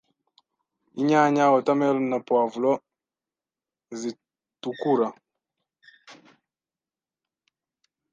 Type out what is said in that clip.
inyanya, watermelon, na poivron zitukura,